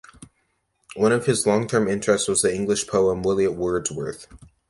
One of his long-term interests was the English poet William Wordsworth.